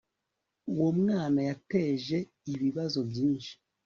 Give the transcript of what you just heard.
Uwo mwana yateje ibibazo byinshi